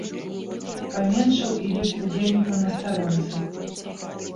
Паменшаў і лік удзельнікаў на старонцы.